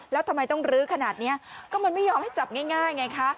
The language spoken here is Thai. แล้วทำไมต้องลื้อขนาดนี้ก็มันไม่ยอมให้จับง่ายไงคะ